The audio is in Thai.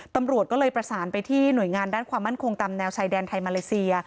ตำรวจก็เลยประสานไปที่หน่วยงานด้านความมั่นคงตามแนวชายแดนไทยมาเลเซีย